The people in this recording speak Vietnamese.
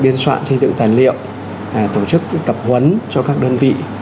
biên soạn sinh tượng tài liệu tổ chức tập huấn cho các đơn vị